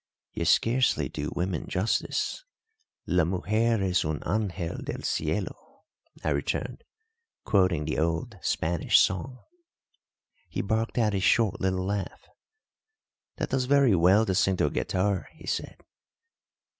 "You scarcely do women justice La mujer es un angel del cielo," I returned, quoting the old Spanish song. He barked out a short little laugh. "That does very well to sing to a guitar," he said.